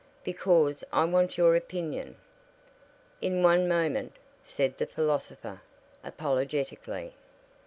"Because I want your opinion." "In one moment," said the philosopher, apologetically.